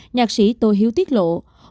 nhạc sĩ tô hiếu tiết lộ